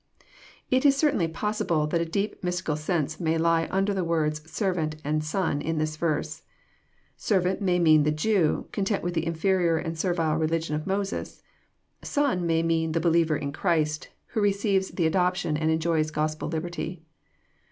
It is certainly possible that a deep mystical sense may Ho under the words '* servant " and son " in this verse. *' Ser vant" may meah the Jew, content with the Inferior and servile religion of Moses. *' Son " may mean the believer in Christ, who receives the adoption and enjoys Gospel liberty.